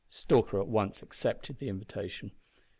Stalker at once accepted the invitation.